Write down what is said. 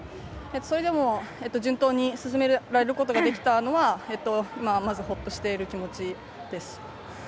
それでも順当に進めることができたのはまず、ほっとしている気持ちです。